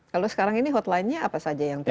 kalau sekarang ini hotline nya apa saja yang terjadi